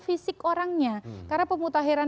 fisik orangnya karena pemutahiran